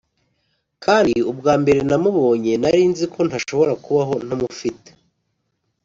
kandi ubwambere namubonye nari nzi ko ntashobora kubaho ntamufite